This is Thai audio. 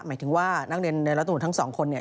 หมายถึงว่านักเรียนในรัฐตำรวจทั้งสองคนเนี่ย